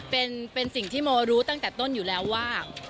เป็นสิ่งที่โมรู้ตั้งแต่ต้นอยู่แล้วว่า